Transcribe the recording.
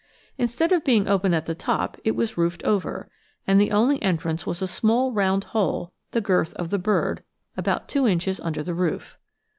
Instead of being open at the top, it was roofed over, and the only entrance was a small round hole, the girth of the bird, about two inches under the roof.